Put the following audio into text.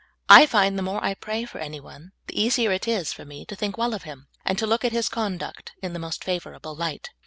I find the more I praj^ for anj^one, the easier it is for me to think well of him, and to look at his conduct in the most favorable light.